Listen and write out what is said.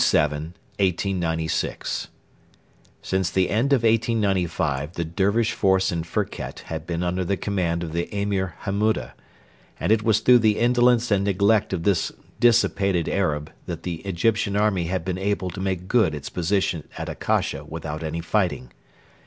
CHAPTER VI: FIRKET June 7, 1896 Since the end of 1895 the Dervish force in Firket had been under the command of the Emir Hammuda, and it was through the indolence and neglect of this dissipated Arab that the Egyptian army had been able to make good its position at Akasha without any fighting.